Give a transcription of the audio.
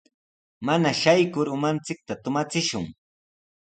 Mana shaykur umanchikta tumachishun.